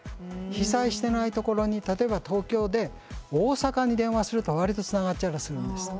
被災してないところに例えば東京で大阪に電話すると割とつながっちゃったりするんです。